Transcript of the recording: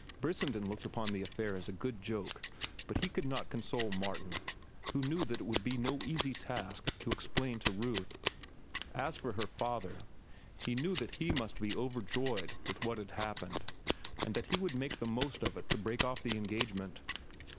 Brissenden looked upon the affair as a good joke, but he could not console Martin, who knew that it would be no easy task to explain to Ruth. As for her father, he knew that he must be overjoyed with what had happened and that he would make the most of it to break off the engagement.